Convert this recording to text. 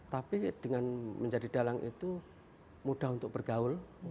tapi dengan menjadi dalang itu mudah untuk bergaul